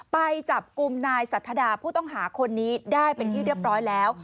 ไปจับกลุ่มนายสัทดาผู้ต้องหาคนนี้ได้เป็นที่เรียบร้อยแล้ว